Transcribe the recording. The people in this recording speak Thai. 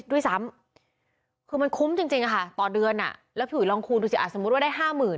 ด้วยซ้ำคือมันคุ้มจริงค่ะต่อเดือนแล้วพี่อุ๋ยลองคูณดูสิสมมุติว่าได้๕๐๐๐